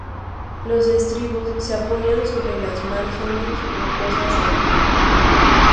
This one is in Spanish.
Los estribos se apoyan sobre las márgenes rocosas del río.